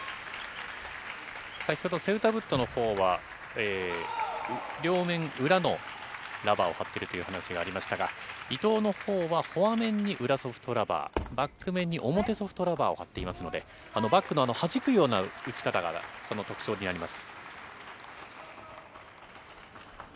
先ほどセウタブットのほうは、両面裏のラバーを貼っているという話がありましたが、伊藤のほうは、フォア面に裏ソフトラバー、バック面に表ソフトラバーを貼っていますので、バックのはじくような打ち方がその特徴になります。